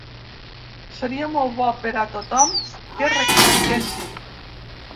Seria molt bo per a tothom que rectifiquessin.